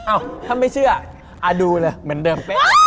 เอ้าถ้าไม่เชื่อดูเลยเหมือนเดิมเป๊ะ